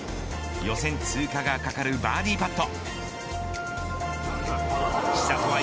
予選通過がかかるバーディーパット。